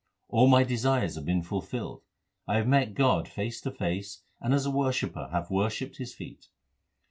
All my desires have been fulfilled ; I have met God face to face, and as a worshipper have worshipped His feet.